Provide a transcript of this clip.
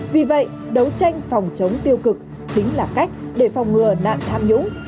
vì vậy đấu tranh phòng chống tiêu cực chính là cách để phòng ngừa nạn tham nhũng